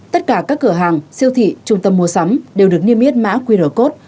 tất cả các cửa hàng siêu thị trung tâm mua sắm đều được niêm yết mã qr code